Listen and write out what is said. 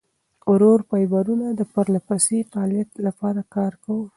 ورو فایبرونه د پرلهپسې فعالیت لپاره کار کوي.